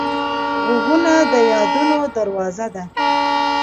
غږونه د یادونو دروازه ده